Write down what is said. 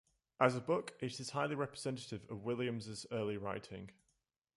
As a book, it is highly representative of Williams's early writing.